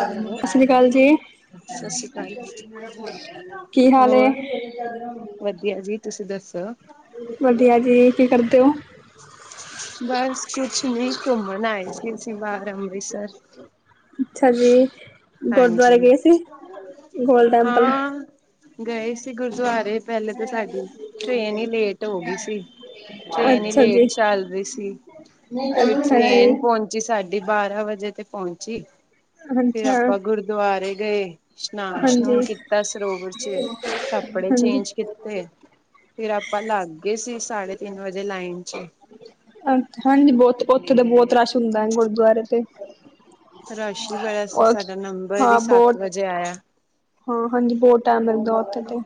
Hello, Sat Sri Akal ji Sat Sri ਅਕਾਲ ਕੀ ਹਾਲ ਹੋਰ ਏ ਵਧੀਆ ਜੀ ਤੁਸੀਂ ਦੱਸੋ? ਵਧੀਆ ਜੀ ਕੀ ਕਰਦੇ ਓ? ਬਸ ਕੁਛ ਨੀ ਘੁੰਮਣ ਆਏ ਸੀ ਅਸੀਂ ਬਾਹਰ ਅੰਮ੍ਰਿਤਸਰ। ਅੱਛਾ ਜੀ, ਗੁਰਦੁਆਰੇ ਹਾਂਜੀ ਗਏ ਸੀ ਗੋਲਡਨ ਟੈਂਪਲ। ਹਾਂ ਗਏ ਸੀ ਗੁਰਦੁਆਰੇ ਪਹਿਲੇ ਤਾਂ ਸਾਡੀ ਟ੍ਰੇਨ ਈ ਲੇਟ ਹੋਗੀ ਸੀ। ਟ੍ਰੇਨ ਈ ਅੱਛਾ ਜੀ ਲੇਟ ਚੱਲ ਰੀ ਸੀ ਫਿਰ ਅੱਛਾ ਜੀ ਟ੍ਰੇਨ ਪਹੁੰ ਚੀ ਸਾਡੀ ਬਾਰਾਂ ਵਜੇ ਤੇ ਪਹੁੰਚੀ। ਫਿਰ ਅੱਛਾ। ਆਪਾਂ ਗੁਰਦੁਆਰੇ ਗਏ ਇਸ਼ਨਾਨ ਹਾਂਜੀ ਇਸ਼ਨੂਨ ਕੀਤਾ ਸਰੋਵਰ ਚ ਕੱਪੜੇ ਹਾਂਜੀ ਚੇਂਜ ਕੀਤੇ ਤੇ ਫਿਰ ਆਪਾਂ ਲੱਗ ਗਏ ਸੀ ਸਾਢੇ ਤਿੰਨ ਵਜੇ ਲਾਈਨ ਚ। ਅ ਹਾਂਜੀ ਬਹੁਤ ਓਥੇ ਤਾਂ ਬਹੁਤ ਰਸ਼ ਹੁੰਦਾ ਗੁਰਦੁਆਰੇ ਤੇ ਰਸ਼ ਹੀ ਬੜਾ ਸੀ ਔਰ ਸਾਡਾ ਨੰਬਰ ਈ ਹਾਂ ਸੱਤ ਬਹੁਤ ਵਜੇ ਆਇਆ। ਹਾਂ, ਹਾਂਜੀ ਬਹੁਤ ਟਾਈਮ ਲੱਗਦਾ ਉੱਥੇ ਤੇ।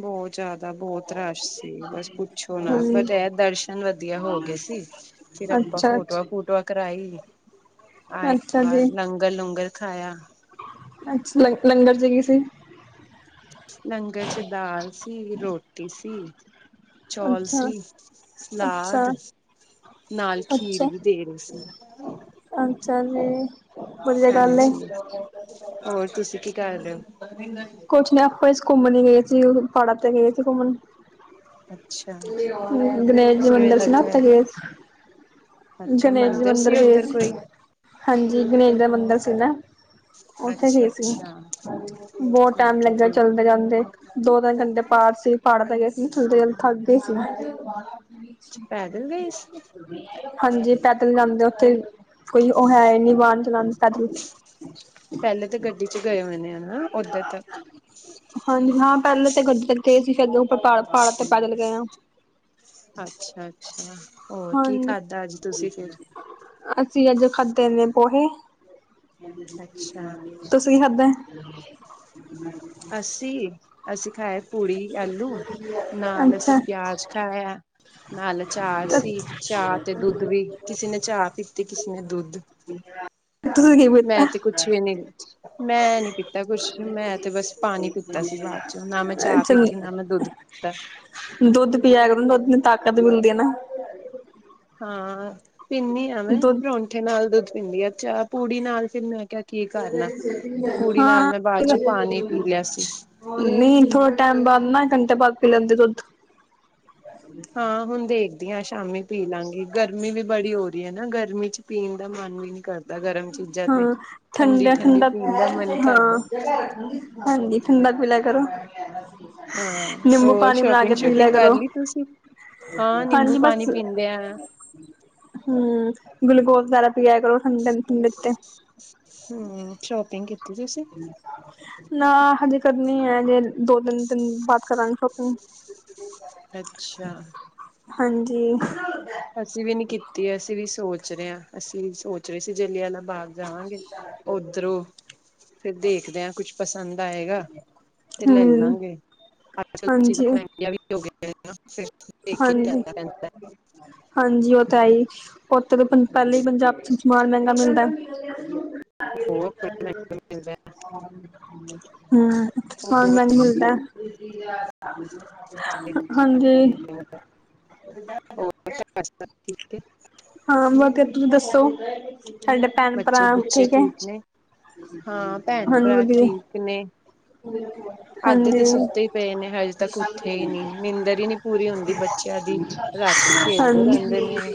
ਬਹੁਤ ਜ਼ਿਆਦ ਦਾ ਬਹੁਤ ਰਸ਼ ਸੀ ਬਸ ਪੁੱਛੋ ਨਾ ਹਾਂਜੀ ਬਟ ਐਹ ਦਰਸ਼ਨ ਵਧੀਆ ਹੋ ਗਏ ਸੀ। ਫਿਰ ਆਪਾਂ ਅੱਛਾ ਫੋਟੋਆਂ ਅੱਛਾ ਫੂਟੁਆਂ ਕਰਾਈ ਆਏ ਅੱਛਾ ਜੀ ਬਾਰ ਲੰਗਰ ਲੂੰਗਰ ਖਾਇਆ। ਅੱਛਾ ਲੰਗ ਲੰਗਰ ਚ ਕੀ ਸੀ? ਲੰਗਰ ਚ ਦਾਲ ਸੀ, ਰੋਟੀ ਸੀ ਚੌਲ ਅੱਛਾ ਸੀ, ਅੱਛਾ ਸਲਾਦ ਨਾਲ ਖੀਰ ਅੱਛਾ ਵੀ ਦੇ ਰਹੇ ਸੀ। ਅੱਛਾ ਜੀ, ਵਧੀਆ ਗੱਲ ਏ। ਹਾਂਜੀ। ਹੋਰ ਤੁਸੀਂ ਕੀ ਕਰ ਰਹੇ ਓ? ਕੁਛ ਨੀ ਆਪਾ ਘੁੰਮਣ ਹੀ ਗਏ ਸੀ ਪਹਾੜਾਂ ਤੇ ਗਏ ਸੀ ਘੁੰਮਣ। ਅੱਛਾ ਗਨੇਸ਼ ਕਿਵੇਂ ਮੰਦਿਰ ਸੀ ਨਾ ਲੱਗਿਆ। ਓਥੇ ਗ‌ਏ। ਅੱਛਾ ਗਣੇਸ਼ ਜੀ ਮੰਦਿਰ ਗਏ ਉੱਧਰ ਸੀ ਕੋਈ ਹਾਂਜੀ ਗਣੇਸ਼ ਦਾ ਮੰਦਿਰ ਸੀ ਨਾ। ਉੱਥੇ ਅੱਛਾ ਗਏ ਸੀ ਅੱਛਾ ਬਹੁਤ ਟਾਈਮ ਠੀਕ ਹੈ ਲੱਗਦਾ ਠੀਕ ਚਲਦੇ ਚਲਦੇ ਦੋ-ਤਿੰਨ ਘੰਟੇ ਪਾੜ ਸੀ ਪਾੜ ਤੇ ਗਏ ਸੀ ਥੱਲ ਥੱਕ ਗਈ ਸੀ ਨਾ। ਪੈਦਲ ਗਏ ਸੀ? ਹਾਂਜੀ ਪੈਦਲ ਜਾਂਦੇ ਉੱਥੇ ਕੋਈ ਓਹ ਹੈ ਹੀ ਨੀ ਵਾਹਨ ਚਲਾਣ ਨੂੰ ਪੈਦਲ ਪਹਿਲੇ ਤੇ ਗੱਡੀ ਚ ਗਏ ਹੋਣੇ ਆ ਨਾ ਓਥੇ ਤੱਕ। ਹਾਂਜੀ ਹਾਂ ਪਹਿਲੇ ਤੇ ਗੱਡੀ ਚ ਗਏ ਸੀ ਫੇਰ ਪਾੜ ਪਹਾੜਾਂ ਤੋਂ ਪੈਦਲ ਗਏ ਆ। ਅੱਛਾ-ਅੱਛਾ, ਹੋਰ ਕੀ ਹਾਂਜੀ, ਖਾਧਾ ਅੱਜ ਤੁਸੀਂ ਫੇਰ? ਅਸੀਂ ਅੱਜ ਖਾਦੇੇ ਨੇ ਪੋਹੇ। ਅੱਛਾ ਤੁਸੀ ਕੀ ਖਾਦਾ? ਅਸੀ, ਅਸੀ ਖਾਏ ਪੂੜੀ-ਆਲੂ ਨਾਲ ਅਸੀਂ ਅੱਛਾ ਪਿਆਜ ਖਾਇਆ। ਨਾਲ ਚਾਰ ਸੀ ਚਾਹ ਤੇ ਦੁੱਧ ਵੀ ਕਿਸੇ ਨੇ ਚਾਹ ਪੀਤੀ ਕਿਸੇ ਨੇ ਦੁੱਧ। ਤੁਸੀਂ ਕੀ ਪੀਤਾ? ਮੈਂ ਤੇ ਕੁਛ ਵੀ ਨੀ ਮੈਂ ਨੀ ਪੀਤਾ ਕੁਛ ਮੈਂ ਤੇ ਬਸ ਪਾਣੀ ਪੀਤਾ ਸੀ ਬਾਅ ਚ ਨਾ ਮੈਂ ਚਾਹ ਅੱਛਾ ਪੀਤੀ ਨਾ ਮੈਂ ਦੁੱਧ ਪੀਤਾ। ਦੁੱਧ ਪੀਆ ਕਰੋ ਦੁੱਧ ਤਾਕਤ ਮਿਲਦੀ ਆ ਨਾ। ਹਾਂ ਪੀਨੀ ਆ ਮੈਂ ਦੁੱਧ ਪਰੋਂਂਠੇ ਨਾਲ ਦੁੱਧ ਪੀਨੀ ਆ ਚਾਹ ਪੂੜੀ ਨਾਲ ਤੇ ਮੈਂ ਕਿਹਾ ਕੀ ਕਰਨਾ ਪੂੜੀ ਨਾਲ ਮੈਂ ਬਾਅ ਚ ਪਾਣੀ ਪੀ ਲਿਆ ਸੀ। ਨ‌ਈ ਥੋੜਾ ਟੈਮ ਬਾਅਦ ਨਾ ਘੰਟੇ ਬਾਅਦ ਪੀ ਲੈਂਦੇ ਦੁੱਧ। ਹਾਂ ਹੁਣ ਦੇਖਦੀ ਆ ਸ਼ਾਮੀ ਪੀ ਲਾਂਗੀ ਗਰਮੀ ਵੀ ਬੜੀ ਹੋ ਰਹੀ ਐ ਨਾ ਗਰਮੀ ਚ ਪੀਣ ਦਾ ਮਨ ਵੀ ਨੀ ਕਰਦਾ ਗਰਮ ਚੀਜ਼ਾਂ ਹਾਂ ਤੇ ਠੰਡਾ ਠੰਡੀ-ਠੰਡੀ ਠੰਡਾ ਪੀਣ ਦਾ ਮਨ ਕਰਦਾ‌। ਹਾਂ ਹਾਂਜੀ ਠੰਡਾ ਪੀ ਲਿਆ ਕਰੋ। ਹਾਂ, ਨਿੰਬੂ ਹੋਰ ਪਾਣੀ ਬਣਾ ਕੇ ਸ਼ੋਪਿੰਗ ਪੀ ਲਿਆ ਸ਼ੂਪਿੰਗ ਕਰ ਕਰੋ ਲਈ ਤੁਸੀਂ? ਹਾਂ ਨਿੰਬੂ ਹਾਂਜੀ ਪਾਣੀ ਬਸ ਪੀਂਦੇ ਆ ਹੂੰ ਗੁਲੂਕੋਜ਼ ਜ਼ਿਆਦਾ ਪੀਆ ਕਰੋ ਠੰਡੀ-ਠੰਡੀ ਠੰ ਹੂੰ, ਸ਼ੋਪਿੰਗ ਕੀਤੀ ਤੁਸੀਂ? ਨਾ ਹਜੇ ਕਰਨੀ ਐ ਹੈਜੇ ਦੋ-ਤਿੰਨ ਦਿਨ ਬਾਅਦ ਕਰਾਂਗੇ ਸ਼ੋਪਿੰਗ। ਅੱਛਾ। ਹਾਂਜੀ। ਅਸੀਂ ਵੀ ਨੀ ਕੀਤੀ, ਅਸੀਂ ਵੀ ਸੋਚ ਰਹੇ ਆ, ਅਸੀਂ ਵੀ ਸੋਚ ਰਹੇ ਸੀ ਜਲਿਆਂ ਆਲਾ ਬਾਗ ਜਾਵਾਂਗੇ, ਉਧਰੋਂ ਫਿਰ ਦੇਖ ਦੇ ਆਂ, ਕੁਛ ਪਸੰਦ ਆਏਗਾ ਤੇ ਲੈ ਹਮ ਲਾਂਗੇ, ਅੱਜ- ਕਲ ਹਾਂਜੀ ਚੀਜ਼ਾਂ ਪੈਂਦਾ ਹਾਂਜੀ ਹਾਂਜੀ, ਉਹ ਤਾਂ ਹੈ ਈ। ਓਥੇ ਪਹਿਲੇ ਹੀ ਪੰਜਾਬ 'ਚ ਸਮਾਨ ਮਹਿੰਗਾ ਮਿਲਦਾ। ਹੋਰ ਮਿਲਦਾ ਹਮ। ਸਾਮਾਨ ਹੋਰ ਮਹਿੰਗਾ ਮਿਲਦਾ, ਹਾਂਜੀ। [unintelligible] [inaudible] ਠੀਕ ਏ। ਹਾਂ, ਬਾਕੀ ਤੁਸੀਂ ਦੱਸੋ? ਤਾਡੇ ਭੈਣ ਭਰਾ ਬੱਚੇ ਬੁੱਚੇ ਠੀਕ ਏ, ਨੇ ਹਾਂ ਭੈਣ ਹਾਂਜੀ ਭਰਾ ਵਧੀਆ। ਠੀਕ ਨੇ ਬਿਲਕੁਲ। ਅੱਧੇ ਤੇ ਸੁੱਤੇ ਹੀ ਪਏ ਨੇ ਹਜੇ ਤੱਕ ਉੱਥੇ ਹੀ ਨਹੀਂ, ਨਿੰਦਰ ਹੀ ਨਹੀਂ ਪੂਰੀ ਹੁੰਦੀ ਬੱਚਿਆਂ ਦੀ। ਰਾਤੀ ਖੇਲਦੇ ਰਹਿੰਦੇ ਹਾਂਜੀ ਨੇ।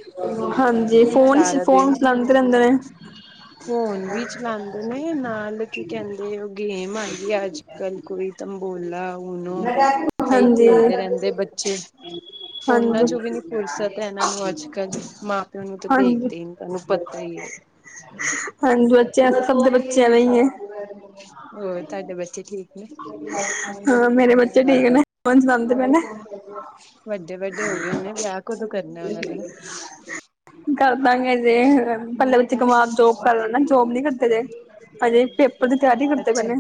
ਹਾਂਜੀ, ਫੋਨ ਚ ਸਾਰਾ ਫੋਨ ਦਿਨ ਚਲਾਂਦੇ ਰਹਿੰਦੇ ਨੇ। ਫੋਨ ਵੀ ਚਲਾਂਦੇ ਨੇ, ਨਾਲ ਕੀ ਕਹਿੰਦੇ, ਓ ਗੇਮ ਆ ਗਈ ਆ ਅੱਜ -ਕੱਲ ਕੋਈ। ਤੰਬੋਲਾ, ਓਨੋ ਏਹੀ ਹਾਂਜੀ ਖੇਲਦੇ ਰਹਿੰਦੇ ਬੱਚੇ। ਫੋਨਾਂ ਹਾਂਜੀ ਚੋਂ ਵੀ ਨੀ ਫ਼ੁਰਸਤ ਹੈ ਇਹਨਾਂ ਨੂੰ ਅੱਜ- ਕੱਲ, ਮਾਂ ਪਿਓ ਨੂੰ ਤਾਂ ਹਾਂਜੀ ਦੇਖਦੇ ਹੀ ਨਹੀਂ ਤੁਹਾਨੂੰ ਪਤਾ ਹੀ ਹੈ। [unintelligible] ਹਾਂਜੀ, ਬੱਚਿਆ, ਸਭ ਦੇ ਬੱਚੇ ਇਵੇਂ ਹੀ ਏ। ਹੋਰ, ਤੁਹਾਡੇ ਬੱਚੇ ਠੀਕ ਨੇ? ਹਾਂ! ਮੇਰੇ ਬੱਚੇ ਠੀਕ ਨੇਂ। ਫੋਨ ਚਲਾਂਦੇ ਪਏ ਨੇ। ਵੱਡੇ, ਵੱਡੇ ਹੋ ਗਏ ਹੋਣੇ, ਵਿਆਹ ਕਦੋ ਕਰਨਾ ਏ ਉਹਨਾਂ ਦਾ? ਕਰਦਾਂਗੇ ਅਜੇ, ਪਹਿਲੇ ਤੇ ਇਕ ਵਾਰ ਜੋਬ ਕਰ ਲੈਣ ਹੀ, ਜੋਬ ਨੀ ਕਰਦੇ ਪਏ, ਹਜੇ ਪੇਪਰ ਦੀ ਤਿਆਰੀ ਕਰਦੇ ਪਏ ਅੱਛਾ ਨੇ।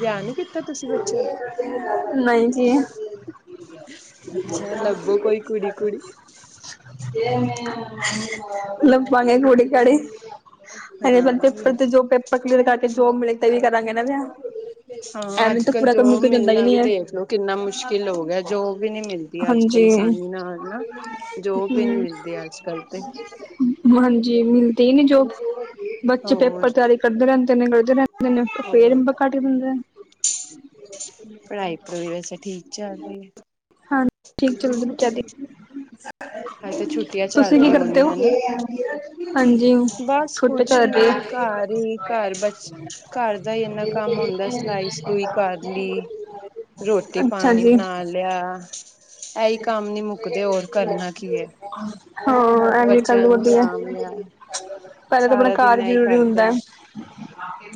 ਵਿਆਹ ਨੀ ਕੀ ਨਹੀਂ ਜੀ। ਅੱਛਾ ਲੱਭੋ [inaudible] ਕੋਈ ਕੁੜੀ ਕੁੜੀ ਮਤਲਬ ਪਾਣੇ ਕੌੜੇ ਕਾੜੇ ਹਲੇ ਤੇ ਪੇਪਰ, ਹਾਂ ਤੇ ਜੋ ਪੇਪਰ ਕਲੀਅਰ ਕਰਕੇ ਜੋਬ ਮਿਲ ਗ ਤੇ ਹੀ ਕਰਾਂਗੇ ਨਾ ਵਿਆਹ। ਹਾਂ ਐਂਵੇਂ ਅੱਜ ਤੇ ਕੱਲ ਜੋਬ ਮਿਲਨਾ ਵੀ ਦੇਖ ਲਓ ਕਿੰਨਾ ਮੁਸ਼ਕਿਲ ਹੋ ਗਿਆ ਹੈ, ਜੋਬ ਵੀ ਨੀ ਮਿਲਦੀ ਦੀ ਅੱਜ -ਕੱਲ ਹਾਂਜੀ ਅਸਾਨੀ ਨਾਲ ਨਾ, ਜੋਬ ਵੀ ਨੀ ਹੂੰ ਮਿਲਦੀ ਅੱਜ-ਕੱਲ ਤੇ। ਹਾਂਜੀ, ਮਿਲਦੀ ਹੀ ਨੀ। ਜੋਬ, ਬੱਚੇ ਹੋਰ ਪੇਪਰ ਦੀ ਤਿਆਰੀ ਕਰਦੇ ਰਹਿੰਦੇ ਨੇ, ਕਰਦੇ ਰਹਿੰਦੇ ਨੇ, ਪਰ ਫੇਰ ਹੋਰ ਨੰਬਰ ਘੱਟ ਹੀ ਦਿੰਦੇ ਨੇ। ਪੜਾਈ ਪੁੜੂਈ ਵੈਸੇ ਠੀਕ ਚੱਲ ਰਹੀ ਹੈ? ਹਾਂਜੀ, ਠੀਕ ਚਲਦੀ ਬੱਚਿਆਂ ਦੀ। ਹਲੇ ਤੇ ਛੁੱਟੀਆਂ ਚੱਲ ਤੁਸੀਂ ਕੀ ਰਹੀ ਹੋਣਾ, ਕਰਦੇ ਹੋ ਹੈਨਾ! ਹਾਂਜੀ ਬ ਸ ਛੁੱਟ ਕੁਛ ਚੱਲ ਰਹੀ ਨੀ, ਘਰ ਹੀ। ਹੈ। ਘਰ ਬਚ, ਘਰ ਦਾ ਹੀ ਏਨਾਂ ਕੰਮ ਹੁੰਦਾ ਏ, ਸਿਲਾਈ ਸਲੂਈ ਕਰ ਲੀ, ਰੋਟੀ ਅੱਛਾ ਪਾਣੀ ਜੀ ਬਣਾ ਲ ਲਿਆ, ਇਹੀ ਕੰਮ ਨੀ ਮੁੱਕਦੇ, ਹੋਰ ਕਰਨਾ ਕੀ ਹੈ? ਹਾਂ! ਬੱਚਿਆਂ ਨੂੰ ਸਾਂਭ ਲਿਆ। ਪਹਿਲੇ ਤੇ ਆਪਣਾ ਸਾਰਾ ਘਰ ਦਿਨ ਹੀ ਇਹੀ ਜਰੂਰੀ ਕਰਦੇ ਹੁੰਦਾ। ਆ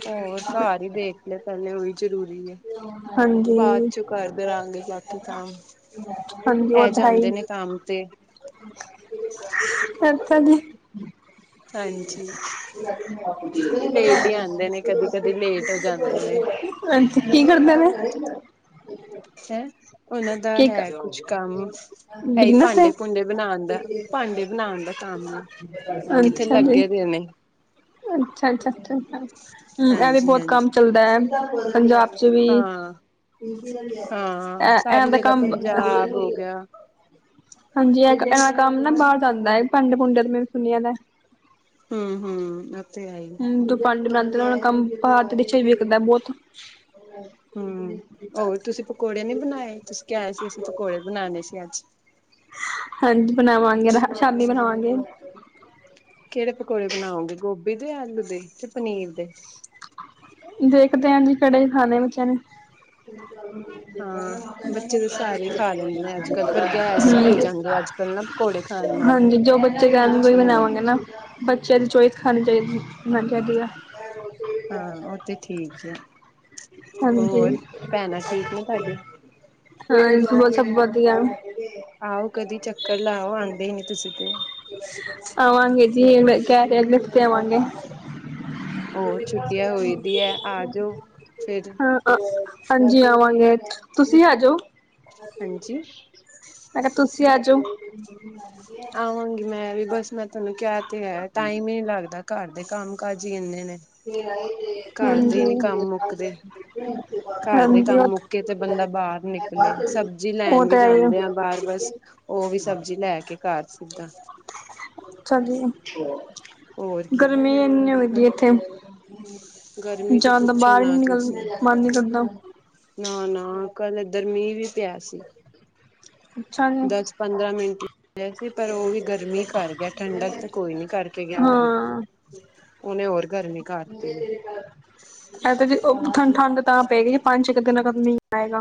ਹੋਰ ਘਰ ਈ ਦੇਖਲੇ ਪੈਲੇ ਓਈ ਜਰੂਰੀ ਐ। ਹਾਂਜੀ ਬਾਦ ਚੋ ਕਰਦੇ ਰਆਂਗੇ ਬਾਕੀ ਕੰਮ, ਐ ਜਾਂਦੇ ਨੇ ਕੰਮ ਤੇ। ਵਰਤਾਂਗੀ ਹਾਂਜੀ। [inaudible] ਲੇਟ ਹੀ ਆਂਦੇ ਨੇ ਕਦੀ ਕਦੀ ਲੇਟ ਹੋ ਜਾਂਦੇ ਨੇ ਅੱਛਾ, ਕੀ ਕਰਦੇ ਨੇ? ਹੈਂ, ਓਨਾਂ ਦਾ ਕੀ ਹੈ ਕੁਛ ਕੰਮ। ਐਈ ਬਿਜਨਸ ਹੈ ਭਾਂਡੇ ਭੂੰਡੇ ਬਨਾਨ ਦਾ, ਭਾਂਡੇ ਬਨਾਨ ਦਾ ਕੰਮ ਏ। ਕਿੱਥੇ ਲੱਗੇ ਦੇ ਨੇ। ਅੱਛਾ-ਅੱਛਾ। [unintelligible] ਐ ਵੀ ਹਾਂਜੀ ਬੋਤ ਹਾਂਜੀ ਕੰਮ ਚੱਲਦਾ ਐ ਪੰਜਾਬ ਚ ਵੀ। ਹਾਂ। ਹਾਂ ਐ-ਐ ਸਾਰੀ ਦਾ ਜਗ੍ਹਾ ਕੰਮ ਪੰਜਾਬ ਹੋ ਗਿਆ ਹਾਂਜੀ ਐ-ਐ ਕੰਮ ਨਾ ਬਾਰ ਜਾਂਦਾ ਐ ਭਾਂਡੇ ਭੁੰਡਿਆਂ ਤੇ ਮੈਂ ਵੀ ਸੁਨੇਆ ਦਾ। ਹੂੰ-ਹੂੰ। ਹੂੰ ਜੋ ਪਾਂਡੇ ਬਨਾਂਦੇ ਨੇ ਓਨਾਂ ਦਾ ਕੰਮ ਭਾਰਤ ਵਿੱਚ ਈ ਵਿਕਦਾ ਬੋਤ। [inaudible] ਹੂੰ। ਹੋਰ ਤੁਸੀਂ ਬਨਾਨੇ ਸੀ ਅੱਜ। ਹਾਂਜੀ ਬਨਾਵਾਂਗੇ ਨਾ ਸ਼ਾਮੀਂ ਬਨਾਵਾਂਗੇ। ਕੇੜੇ ਪਕੌੜੇ ਬਨਾਓਗੇ ਗੋਭੀ ਦੇ ਯਾ ਆਲੂ ਦੇ, ਕੇ ਪਨੀਰ ਦੇ। ਦੇਖਦੇ ਆਂ ਜੀ ਕੇੜੇ ਖਾਨੇ ਬੱਚੇਆਂ ਨੇ। ਹਾਂ ਬੱਚੇ ਤਾਂ ਸਾਰੇ ਹੀ ਖਾ ਲੈਂਦੇ [inaudible] ਕੱਲ ਨਾ ਪਕੌੜੇ ਖਾਨ ਨਾਲ, ਪੁਛਨ ਨਾਲ ਹੈਨਾ ਬੱਚਿਆਂ ਦੀ ਚੋਇਸ ਖਾਨੀ ਚਾਈਦੀ ਐ ਮੈ ਕਿਆ ਠੀਕ ਆ। [inaudible] ਹਾਂ ਓ ਤੇ ਠੀਕ ਐ, ਹਾਂਜੀ ਹੋਰ ਭੈਣਾਂ ਠੀਕ ਨੇ ਤਾਡੀ। ਹਾਂਜੀ ਓ ਸਬ ਵਦੀਆ। ਆਓ ਕਦੀ ਚੱਕਰ ਲਾਓ ਆਂਦੇ ਈ ਨੀ ਤੁਸੀਂ ਤੇ। ਆਵਾਂਗੇ ਜੀ ਕੈਰੀਅਰ ਲਿਖ ਕੇ ਆਵਾਂਗੇ। ਓ ਛੁੱਟੀਆਂ ਹੋਈ ਦੀ ਐ ਆਜੋ ਫੇਰ। ਹਾਂ ਹਾਂਜੀ ਆਵਾਂਗੇ, ਤੁਸੀਂ ਆਜੋ। ਹਾਂਜੀ ਮੈਂ ਕਿਆ ਤੁਸੀਂ ਆਜੋ। ਆਵਾਂਗੀ ਮੈਂ ਵੀ ਬਸ ਮੈਂ ਤਾਨੂੰ ਕਿਆ ਤੇ ਹੈ ਟਾਈਮ ਨੀ ਲੱਗਦਾ ਘਰ ਦੇ ਕੰਮ ਕਾਜ ਈ ਏਨੇ ਨੇ। ਘਰ ਦੇ ਹਾਂਜੀ-ਹਾਂਜੀ, ਹੀ ਨੀ ਕੰਮ ਮੁੱਕਦੇ ਓ ਤਾਂ ਕੇ ਤੇ ਬੰਦਾ ਬਾਰ ਨਿਕਲੇ ਸਬਜ਼ੀ ਲੈ ਉਹ ਵੀ ਤਾਂ ਹੈ ਜਾਂਦੇ ਆਂ ਬਾਰ ਬਸ ਹੀ ਓ ਵੀ ਸਬਜ਼ੀ ਲੈ ਕੇ ਘਰ ਸਿੱਦਾ। ਹੋਰ [unintelligible] ਕੀ ਗਰਮੀ ਏਨੀ ਹੋਈਦੀ ਏਥੇ। ਗਰਮੀ ਤੇ ਜਾਨ ਦਾ ਪੁੱਛੋ ਬਾਰ ਈ ਨਾ ਨਿਕਲ ਮਨ ਨੀ ਕਰਦਾ। ਨਾ-ਨਾ ਕੱਲ ਐਦਰ ਮੀਂਹ ਵੀ ਪਿਆ ਸੀ। ਅੱਛਾ ਜੀ। ਪੰਦਰਾਂ ਮਿੰਟ ਈ। ਵੈਸੇ ਪਰ ਓ ਵੀ ਗਰਮੀ ਕਰ ਗੇਆ ਠੰਡਕ ਤੇ ਕੋਈ ਨੀ ਕਰਕੇ ਗੇਆ ਓ ਵੀ। ਹਾਂ, ਓਨੇ ਹੋਰ ਗਰਮੀ ਕਰਤੀ ਏ। ਐ ਤਾਂ ਜੇ ਓ ਠ ਠੰਡ ਤਾਂ ਪਏਗੀ ਜੇ ਪੰਜ-ਛੇ ਕ ਦਿਨਾਂ ਬਾਦ ਮੀਂਹ ਆਏਗਾ।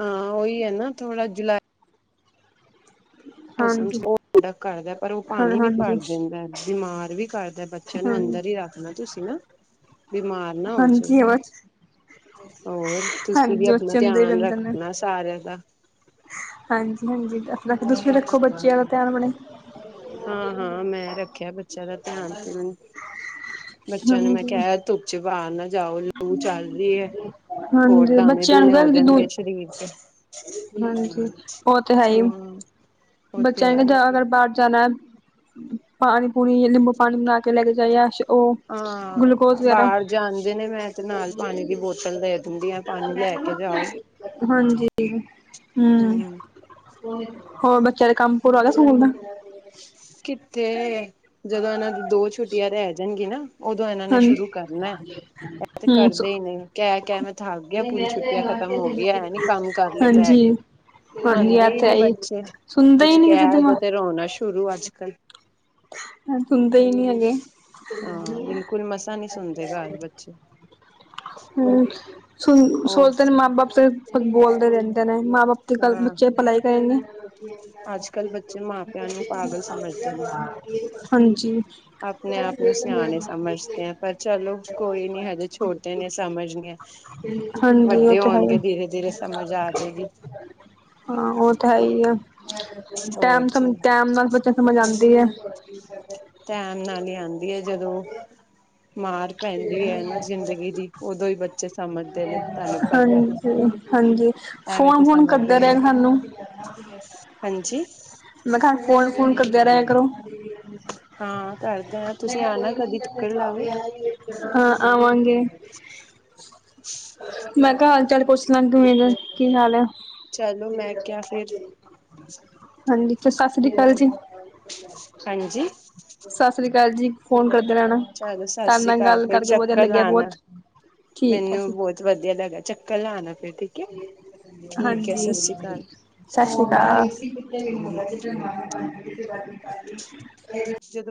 ਹਾਂ ਉਹੀ ਹੈ ਨਾ ਥੋੜਾ ਜੁਲਾੲ। ਮੌਸਮ ਹਾਂਜੀ, 'ਚ ਉਹ ਪੂਰਾ ਕਰਦਾ, ਪਰ, ਉਹ ਹਾਂ ਪਾਣੀ ਵੀ ਹਾਂਜੀ, ਭਰ ਦਿੰਦਾ, ਬਿਮਾਰ ਵੀ ਕਰਦਾ ਬਾ। ਬੱਚਿਆਂ ਨੂੰ ਹਾਂ ਅੰਦਰ ਹੀ ਰੱਖਣਾ ਤੁਸੀਂ ਨਾ, ਬਿਮਾਰ ਨਾ ਹੋਜੇ। ਹਾਂਜੀ ਬਸ ਔਰ, ਤੁਸੀਂ ਵੀ ਹਾਂਜੀ ਆਪਣਾ ਬੱਚੇ ਅੰਦਰ ਹੀ ਧਿਆਨ ਰਹਿੰਦੇ ਨੇ। ਰੱਖਣਾ ਸਾਰਿਆਂ ਦਾ। ਹਾਂਜੀ -ਹਾਂਜੀ, ਰ ਤੁਸੀ ਵੀ ਰੱਖੋ ਬੱਚਿਆਂ ਦਾ ਧਿਆਨ ਆਪਣੇ। ਹਾਂ -ਹਾਂ, ਮੈਂ ਰੱਖਿਆ ਬ। ਬੱਚਿਆਂ ਦਾ ਧਿਆਨ ਧਆਨ, ਬੱਚਿਆਂ ਨੂੰ, ਮੈਂ ਹਾਂਜੀ ਕਿਹਾ ਧੁੱਪ 'ਚ ਪਾਰਨਾ। ਜਾਓ ਲੂ ਚੱਲ ਜਏ, ਹੋਰ, ਹਾਂਜੀ, ਦਾਣੇ- ਬੱਚਿਆਂ ਨੂੰ ਦੂਣੇ ਹੋ ਕਹਿ ਜਦੋਂ ਜਾਣਗੇ ਸਰੀਰ ਤੇ। ਹਾਂਜੀ, ਉਹ ਤੇ ਹੈ ਹੀ। ਹਮ ਉਹ ਤੇ ਬੱਚਿਆਂ ਨੇ ਹੈ ਅਗਰ ਬਾਹਰ ਜਾਨਾ ਹੈ, ਪਾਣੀ -ਪੂੰਣੀ ਨੀਬੂੰ ਪਾਣੀ ਬਣਾ ਕੇ ਲੈ ਕੇ ਜਾਈਏ। ਉਹ ਗਲੂਕੋਜ ਹਾਂ ਵਗੈਰਾ ਬਾਹਰ ਜਾਂਦੇ ਨੇ, ਮੈਂ ਤੇ ਨਾਲ ਪਾਣੀ ਦੀ ਬੋਤਲ ਦੇ ਦਿੰਦੀ ਹਾਂ। ਪਾਨੀ ਲੈ ਕੇ ਜਾਓ। ਹਾਂਜੀ ਹਮ। ਹੋਰ ਬੱਚਿਆਂ ਦਾ ਕੰਮ ਪੂਰਾ ਹੋ ਗਿਆ ਸਕੂਲ ਦਾ। ਕਿੱਥੇ ਜਦੋਂ ਇਹਨਾਂ ਦੀ, ਦੋ ਛੁੱਟੀਆਂ ਰਹਿ ਜਾਨਗੀ ਨਾ। ਉਦੋਂ ਇਹਨਾਂ ਨੇ ਹਾਂਜੀ ਸ਼ੁਰੂ ਕਰਨਾ, ਇਹ ਤੇ ਹਮ ਕਰਦੇ ਹੀ ਨਹੀਂ ਕਹਿ- ਕਹਿ ਮੈਂ ਥਕ। ਹੋ ਗਈਆ ਪੂਰੀ ਛੁੱਟੀਆਂ ਖਤਮ ਹੋ ਗਈ ਹੈ, ਇਹ ਨੀ ਕੰਮ ਕਰ ਲਏ ਬਹਿ ਹਾਂਜੀ ਕੇ। ਹਾਂਜੀ ਮੰਨਦੇ ਆ ਹੀ ਤੇ ਨੀ ਆਈ ਬੱਚੇ, ਸੁਣਦਾ ਕੁਛ ਹੀ ਨੀ ਕਿਸੇ ਦੀ ਕਹਿ ਦੋ ਮਾਂ ਤੇ ਰੋਣਾ ਸ਼ੁਰੂ ਅੱਜ -ਕੱਲ। ਹਾਂ ਤੁੰਦੇ ਹੀ ਨਹੀਂ ਹੈਗੇ। ਹਾਂ ਬਿਲਕੁਲ ਮਸਾਂ ਨਹੀਂ ਸੁਣਦੇ ਘਰ ਬੱਚੇ। ਹਮ ਸੁਣ ਉਹ ਸੋਚਦੇ ਨੇ ਮਾਂ- ਬਾਪ, ਬੋਲਦੇ ਰਹਿੰਦੇ। ਕਹਿੰਦੇ ਮਾਂ ਬਾਪ ਦੀ ਗੱਲ, ਹਾਂ ਬੱਚੇ ਪਲਾਈ ਕਰੇਗੇ। ਅੱਜ ਕੱਲ੍ਹ ਬੱਚੇ ਮਾਂ ਪਿਆਂ ਨੂੰ ਪਾਗਲ ਸਮਝਦੇ ਨੇ ਹਾਂਜੀ। ਆਪਣੇ -ਆਪ ਨੂੰ ਸਿਆਣੇ ਸਮਝਦੇ ਆ, ਪਰ ਚਲੋ ਕੋਈ ਨੀ ਹਜੇ ਛੋਟੇ ਨੇ ਸਮਝ ਨੀ ਠੀਕ ਹੈ ਹਾਂਜੀ ਉਹ ਵੱਡੇ ਤੇ ਹੈ ਹੋਣਗੇ ਹੀ। ਧੀਰੇ- ਧੀਰੇ, ਸਮਝ ਆਜੇਗੀ ਹਾਂ ਉਹ ਤਾਂ ਹੈ ਹੀ ਆ, ਹੋਰ ਟੈਮ ਸਮ ਜੀ ਟੈਮ ਨਾਲ ਬੱਚਾ ਸਮਝ ਆਂਦੀ ਏ [unintelligible] ਟੈਮ ਨਾਲ ਹੀ ਆਉਂਦੀ ਹੈ ਜਦੋਂ, ਮਾਰ ਪੈਂਦੀ ਹੈ ਨਾ ਜ਼ਿੰਦਗੀ ਦੀ। ਉਦੋਂ ਹੀ ਬੱਚੇ। ਸਮਝਦੇ ਨੇ ਤੁਹਾਨੂੰ ਪਤਾ ਹਾਂਜੀ -ਹਾਂਜੀ, ਐਵੇਂ ਤੇ ਫੋਨ, ਫੋਨ ਸਮਝਦੇ ਕਰਦੇ ਨੀ ਰਹੇ ਹਾਨੂੰ। ਹਾਂਜੀ। ਮੈਂ ਕਿਹਾ ਫੋਨ ਫੂਨ ਕਰਦੇ ਰਿਹਾ ਕਰੋ। ਹਾਂ ਕਰਦੇ ਆ ਤੁਸੀਂ ਆਣਾ ਕਦੀ ਚੱਕਰ ਲਾਓ ਹਾਂ ਆਵਾਂਗੇ [inaudible] ਮੈਂ ਕਿਹਾ ਹਾਲ ਚਾਲ ਪੁੱਛ ਲੈ, ਕਿਵੇਂ ਦਾ, ਕੀ ਹਾਲ ਹੈ ਚਲੋ ਮੈਂ ਕਿਹਾ ਫਿਰ ਹਾਂਜੀ ਤੇ ਸਸ਼੍ਰੀ ਅਕਾਲ ਜੀ। ਹਾਂਜੀ। ਸਸ੍ਰੀ ਅਕਾਲ ਜੀ ਫੋਨ ਕਰਦੇ ਰਹਿਣਾ। ਚੱਲੋ ਤੁਹਾਡੇ ਸਸ੍ਰੀ ਨਾਲ ਅਕਾਲ, ਗੱਲ ਫੇਰ ਕਰਕੇ ਵਧੀਆ ਚੱਕਰ ਲੱਗਿਆ ਲਾਉਣਾ, ਬਹੁਤ ਠੀਕ ਹੈ ਮੈਨੂੰ ਜੀ ਬਹੁਤ ਵਧੀਆ ਲੱਗਾ, ਚੱਕਰ ਲਾਉਣਾ ਫੇਰ ਠੀਕ ਹੈ ਠੀਕ ਹੈ ਹਾਂਜੀ। ਸਤਿ ਸ੍ਰੀ ਅਕਾਲ ਸਸ੍ਰੀ ਅਕਾਲ ਜਦੋਂ